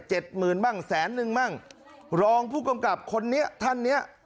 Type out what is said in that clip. หมื่นบ้างแสนนึงบ้างรองผู้กำกับคนนี้ท่านเนี้ย